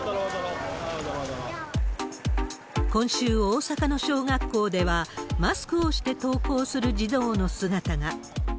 今週、大阪の小学校では、マスクをして登校する児童の姿が。